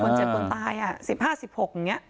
คนเจ็บคนตาย๑๕๑๖อย่างนี้